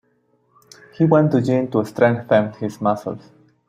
He went to gym to strengthen his muscles.